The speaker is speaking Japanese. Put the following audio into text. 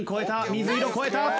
水色越えた！